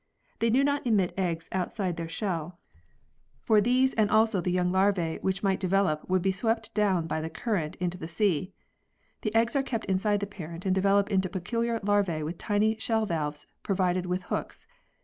They do not emit eggs outside their shell, for 46 PEARLS [CH. these and also the young larvae which might develop would be swept down by the current into the sea. The eggs are kept inside the parent and develop into peculiar larvae with tiny shell valves provided with hooks.